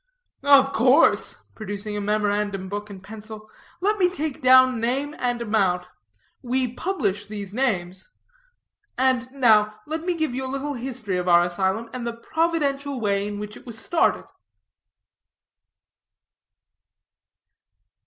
"Of course," producing a memorandum book and pencil. "Let me take down name and amount. We publish these names. And now let me give you a little history of our asylum, and the providential way in which it was started."